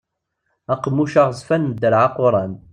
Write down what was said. Aqemmuc aɣezfan ddarɛ aquran.